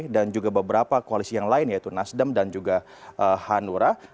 dan juga beberapa koalisi yang lain yaitu nasdem dan juga hanura